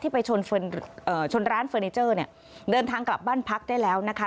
ไปชนชนร้านเฟอร์นิเจอร์เนี่ยเดินทางกลับบ้านพักได้แล้วนะคะ